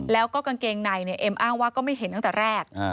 แล้วก็กางเกงในเนี่ยเอ็มอ้างว่าก็ไม่เห็นตั้งแต่แรก